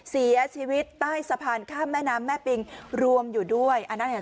เสียชีวิตใต้สะพานข้ามแม่น้ำแม่ปิงรวมอยู่ด้วยอันนั้นเนี่ย